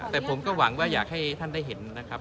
แต่ผมก็หวังว่าอยากให้ท่านได้เห็นนะครับ